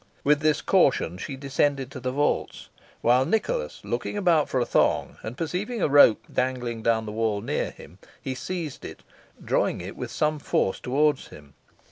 With this caution, she descended to the vaults, while Nicholas looked about for a thong, and perceiving a rope dangling down the wall near him, he seized it, drawing it with some force towards him.